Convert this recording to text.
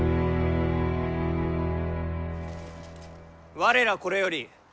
我らこれより本領